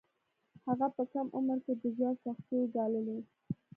هغه په کم عمر کې د ژوند سختۍ وګاللې